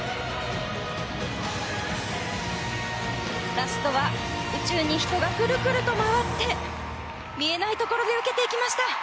ラストは宇宙に人がくるくると回って見えないところで受けていきました。